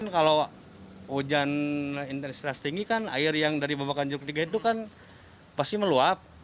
kalau hujan interstres tinggi kan air yang dari bapak anjung ketiga itu kan pasti meluap